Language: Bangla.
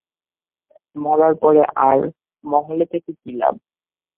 মরার পরে আর, মহলে থেকে কি লাভ?